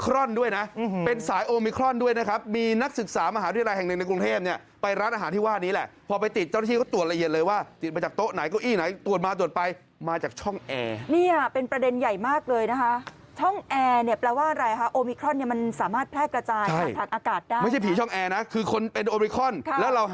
แล้วเขาไปติดอยู่ในฟิลเตอร์ช่องแอร์